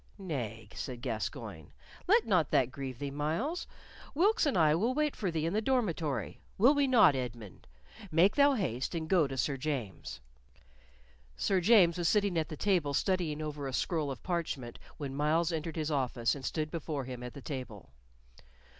"Nay," said Gascoyne, "let not that grieve thee, Myles. Wilkes and I will wait for thee in the dormitory will we not, Edmund? Make thou haste and go to Sir James." Sir James was sitting at the table studying over a scroll of parchment, when Myles entered his office and stood before him at the table.